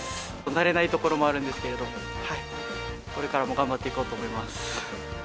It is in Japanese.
慣れないところもあるんですけれども、これからも頑張っていこうと思います。